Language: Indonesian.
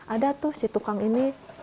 ada tuh si tukang ini